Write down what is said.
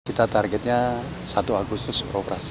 kita targetnya satu agustus beroperasi